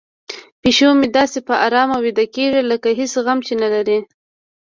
پیشو مې داسې په ارامه ویده کیږي لکه هیڅ غم چې نه لري.